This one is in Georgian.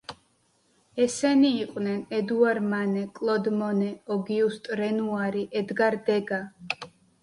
ესენი იყვნენ: ედუარ მანე, კლოდ მონე, ოგიუსტ რენუარი, ედგარ დეგა.